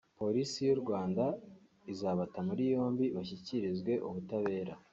Polisi y’u Rwanda izabata muri yombi bashyikirizwe ubutabera